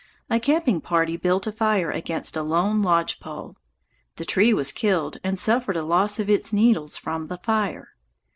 A camping party built a fire against a lone lodge pole. The tree was killed and suffered a loss of its needles from the fire.